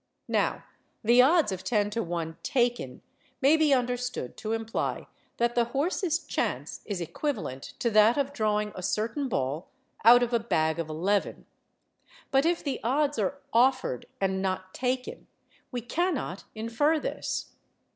Now, the odds of 10 to 1 taken may be understood to imply that the horse's chance is equivalent to that of drawing a certain ball out of a bag of eleven. But if the odds are offered and not taken, we cannot infer this.